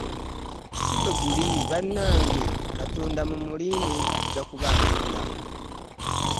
Si bwe guli bannange Katonda mulinde ajja kubaanukula.